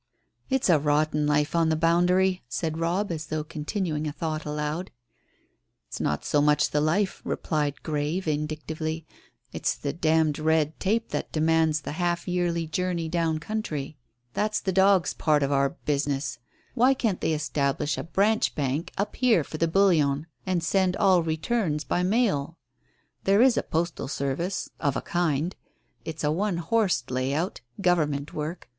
"It's a rotten life on the boundary," said Robb, as though continuing a thought aloud. "It's not so much the life," replied Grey vindictively, "it's the d d red tape that demands the half yearly journey down country. That's the dog's part of our business. Why can't they establish a branch bank up here for the bullion and send all 'returns' by mail? There is a postal service of a kind. It's a one horsed lay out Government work.